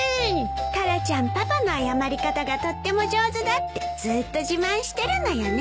タラちゃんパパの謝り方がとっても上手だってずーっと自慢してるのよね。